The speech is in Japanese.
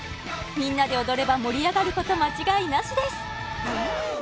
みんなで踊れば盛り上がること間違いなしです！